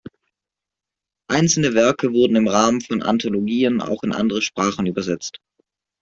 Einzelne Werke wurden im Rahmen von Anthologien auch in andere Sprachen übersetzt.